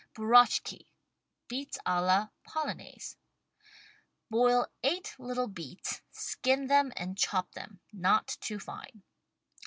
BURACHKI {Beets a la Polonaise) Boil eight little beets, skin them and chop them (not too fine).